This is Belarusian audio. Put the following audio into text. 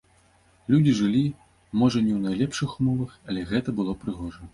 Людзі жылі, можа не ў найлепшых умовах, але гэта было прыгожа.